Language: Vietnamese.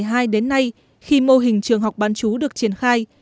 từ năm hai nghìn một mươi hai đến nay khi mô hình trường học bán chú được triển khai